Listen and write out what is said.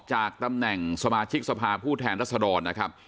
ในตัำแหน่งสมาชิกสภาพูทแทนท่าสดอง